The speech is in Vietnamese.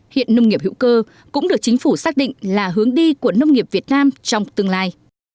hiện nông nghiệp hữu cơ cũng được chính phủ xác định là hướng đi của nông nghiệp việt nam trong tương lai